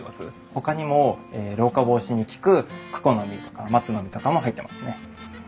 ほかにも老化防止に効くクコの実とか松の実とかも入ってますね。